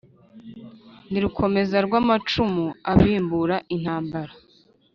ndi rukomeza rw'amacumu abimbura intambara,